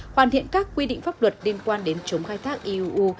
hoàn thiện các quy định pháp luật liên quan đến chống khai thác iuu